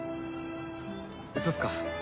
そうっすか。